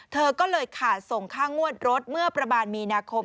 เธอก็เลยขาดส่งค่างวดรถเมื่อประมาณมีนาคม